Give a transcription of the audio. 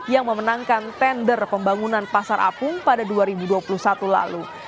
yang memenangkan tender pembangunan pasar apung pada dua ribu dua puluh satu lalu